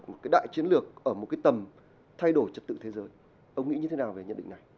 một cái đại chiến lược ở một cái tầm thay đổi trật tự thế giới ông nghĩ như thế nào về nhận định này